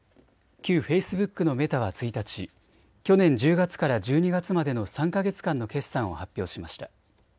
旧フェイスブックのメタは１日、去年１０月から１２月までの３か月間の決算を発表しました。